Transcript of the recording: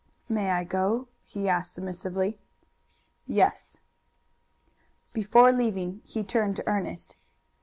"May I go?" he asked submissively. "Yes." Before leaving he turned to Ernest.